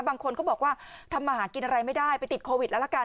บางคนก็บอกว่าทำมาหากินอะไรไม่ได้ไปติดโควิดแล้วละกัน